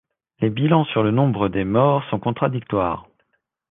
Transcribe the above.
Les bilans sur le nombre des morts sont contradictoires.